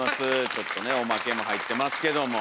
ちょっとねオマケも入ってますけども。